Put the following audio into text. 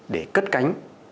để cất cánh